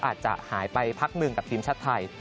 อาจจะหายไปพักหนึ่งกับทีมชาติไทย